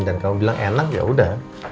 dan kamu bilang enak ya udah